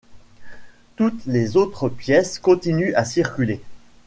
Toutes les autres pièces continuent à circuler.